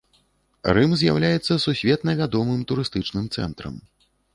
Рым з'яўляецца сусветна вядомым турыстычным цэнтрам.